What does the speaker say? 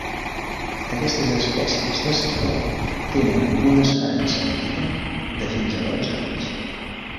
Aquestes espècies d'esquirol tenen una esperança de vida de fins a dotze anys.